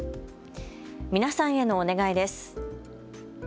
皆さんへのお願いです。